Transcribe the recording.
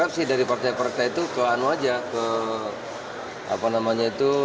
saya sih dari partai partai itu ke anu aja ke apa namanya itu